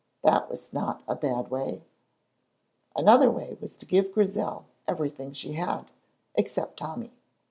That was not a bad way. Another way was to give Grizel everything she had, except Tommy.